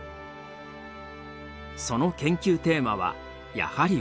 その研究テーマはやはり「宇宙」。